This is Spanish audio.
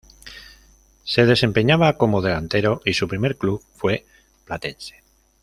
Se desempeñaba como delantero y su primer club fue Platense.